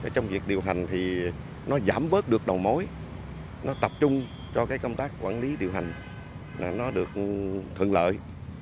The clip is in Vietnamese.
trong việc điều hành thì nó giảm bớt được đầu mối nó tập trung cho cái công tác quản lý điều hành là nó được thuận lợi